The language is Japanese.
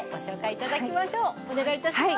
お願い致します。